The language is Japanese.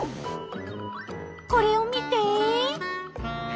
これを見て！